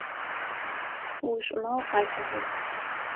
Ушӏумэ укъалъэгъун.